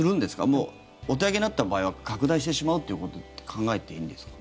もうお手上げになった場合は拡大してしまうと考えていいんですか？